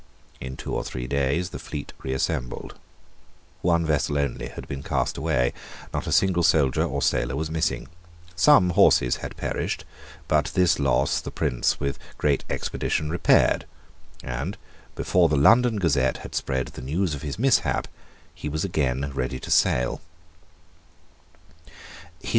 In two or three days the fleet reassembled. One vessel only had been cast away. Not a single soldier or sailor was missing. Some horses had perished: but this loss the Prince with great expedition repaired; and, before the London Gazette had spread the news of his mishap, he was again ready to sail.